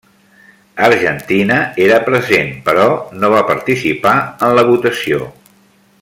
Argentina era present però no va participar en la votació.